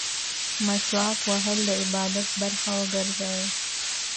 مسواک وهل د عبادت برخه وګرځوئ.